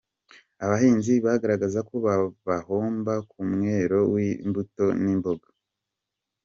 Abahinzi bagaragaza ko bahomba ku mwero w’imbuto n’imboga.